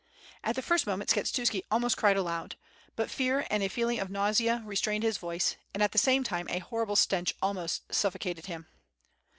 At the first moment Skshetuski almost cried aloud; but fear and a feeling of nausea restrained his voice, and at the same time a horrible stench almost suffocated him.